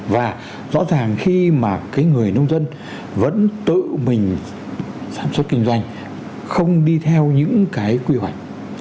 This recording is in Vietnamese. và rõ ràng khi mà cái người nông dân vẫn tự mình sản xuất kinh doanh không đi theo những cái quy hoạch